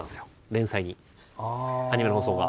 連載にアニメの放送が。